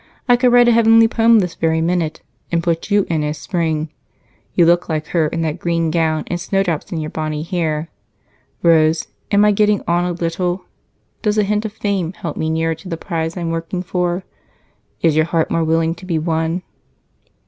I could write a heavenly poem this very minute, and put you in as Spring you look like her in that green gown with snowdrops in your bonny hair. Rose, am I getting on a little? Does a hint of fame help me nearer to the prize I'm working for? Is your heart more willing to be won?"